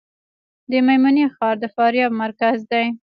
د میمنې ښار د فاریاب مرکز دی